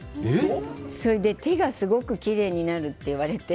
それで手がすごくきれいになるって言われて。